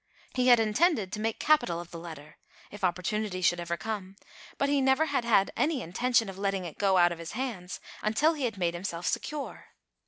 He had intended to make capital of the letter, if opportunity should ever come, but he never had had any intention of letting it go out of his hands, until he had made himself se cure.